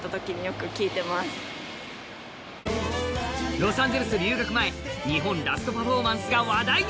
ロサンゼルス留学前日本ラストパフォーマンスが話題に。